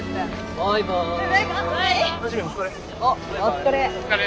お疲れ。